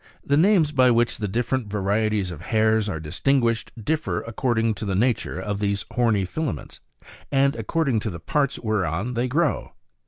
8. The names by which the different varieties of hairs are distinguished, differ according to the nature of these horny fila ments, and according to the parts whereon they grow.